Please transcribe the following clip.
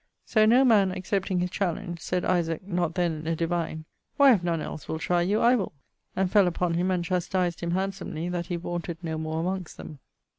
So no man accepting his challenge, said Isaac (not then a divine), 'Why, if none els will try you I will'; and fell upon him and chastised him handsomely that he vaunted no more amongst them.